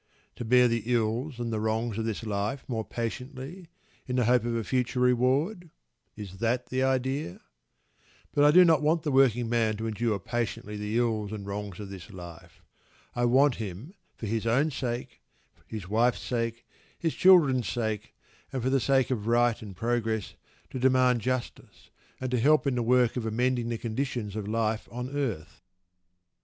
To bear the ills and the wrongs of this life more patiently, in the hope of a future reward? Is that the idea? But I do not want the working man to endure patiently the ills and wrongs of this life. I want him, for his own sake, his wife's sake, his children's sake, and for the sake of right and progress, to demand justice, and to help in the work of amending the conditions of life on earth.